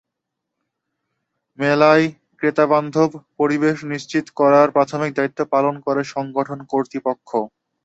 মেলায় ক্রেতাবান্ধব পরিবেশ নিশ্চিত করার প্রাথমিক দায়িত্ব পালন করে সংগঠন কর্তৃপক্ষ।